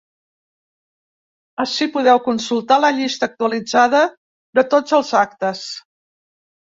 Ací podeu consultar la llista actualitzada de tots els actes.